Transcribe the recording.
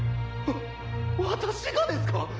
「わ私がですか！？」